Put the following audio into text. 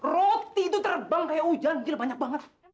roti itu terbang kayak hujan jadi banyak banget